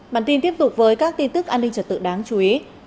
bản tin tiếp tục với các tin tức an ninh trật tự đáng chú ý